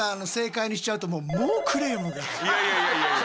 いやいやいやいや。